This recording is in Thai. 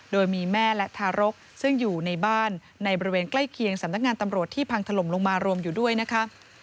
โดยมีแม่และทารกซึ่งอยู่ในบ้านในบริเวณใกล้เคียงสำนักงานตำรวจที่พังถล่มลงมารวมอยู่ด้วยนะคะ